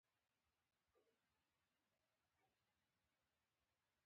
کوچني مغزونه د خلکو په اړه بیان کوي.